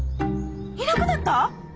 いなくなった？